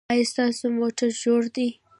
ایا ستاسو موټر جوړ دی؟